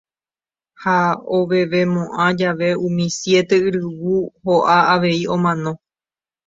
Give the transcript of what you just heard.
Ha ovevemo'ã jave umi siete yryvu ho'a avei omano.